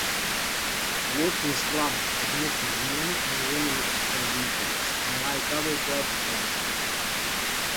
Wharton's club admitted men and women as equals, unlike other clubs of the time.